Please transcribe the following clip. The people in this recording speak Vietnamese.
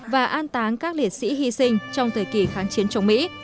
và an táng các liệt sĩ hy sinh trong thời kỳ kháng chiến chống mỹ